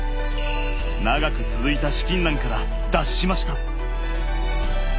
長く続いた資金難から脱しました。